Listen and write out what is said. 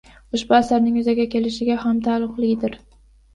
Ushbu asarning yuzaga kelishiga ham taalluqlidir.